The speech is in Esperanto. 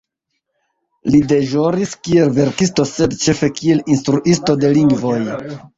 Li deĵoris kiel verkisto sed ĉefe kiel instruisto de lingvoj.